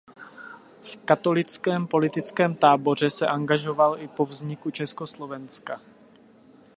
V katolickém politickém táboře se angažoval i po vzniku Československa.